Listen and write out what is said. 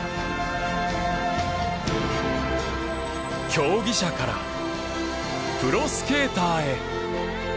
競技者からプロスケーターへ。